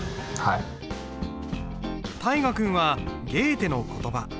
大河君はゲーテの言葉。